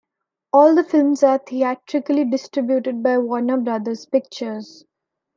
All the films are theatrically distributed by Warner Brothers Pictures.